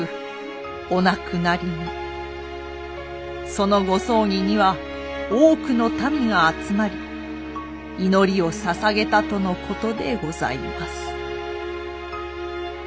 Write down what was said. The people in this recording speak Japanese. そのご葬儀には多くの民が集まり祈りをささげたとのことでございます。